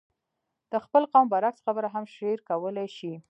د خپل قوم برعکس خبره هم شعر کولای شي.